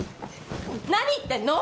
何言ってんの！